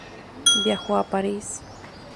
Viajó a París.